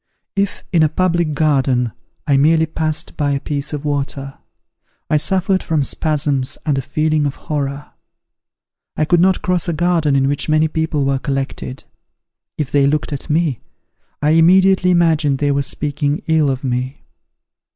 If, in a public garden, I merely passed by a piece of water, I suffered from spasms and a feeling of horror. I could not cross a garden in which many people were collected: if they looked at me, I immediately imagined they were speaking ill of me."